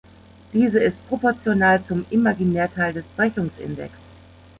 Diese ist proportional zum Imaginärteil des Brechungsindex.